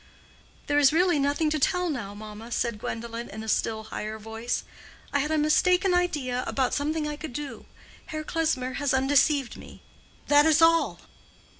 "There is really nothing to tell now, mamma," said Gwendolen, in a still higher voice. "I had a mistaken idea about something I could do. Herr Klesmer has undeceived me. That is all."